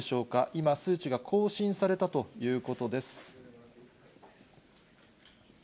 今、数値が更新されたということです。